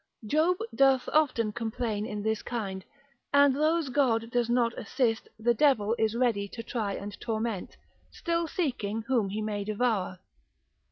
Job doth often complain in this kind; and those God doth not assist, the devil is ready to try and torment, still seeking whom he may devour.